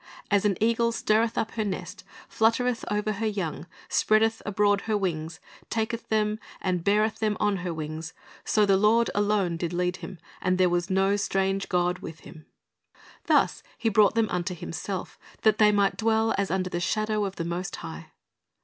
As an eagle stirreth up her nest, fluttereth over her young, spreadeth abroad her wings, taketh them, beareth them on her wings: so the Lord alone did lead him, and there was no strange god with him."^ Thus He brought them unto Himself, that they might dwell as under the shadow of the Most High.